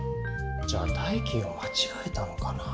じゃあ代金をまちがえたのかな？